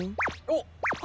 おっ！